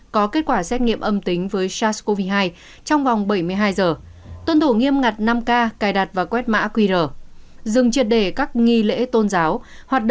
có kết quả xét nghiệm âm tính